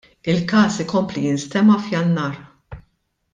Il-każ ikompli jinstema' f'Jannar.